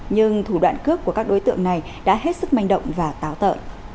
nhưng thủ đoạn cướp của các đối tượng này đã hết sức manh động và táo tợ